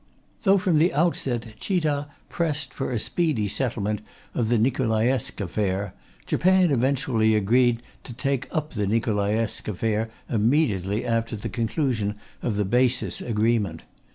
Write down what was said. Though, from the outset, Chita pressed for a speedy settlement of the Nicolaievsk affair, Japan eventually agreed to take up the Nicolaievsk affair immediately after the conclusion of the basis agreement.